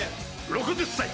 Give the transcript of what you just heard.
６０歳！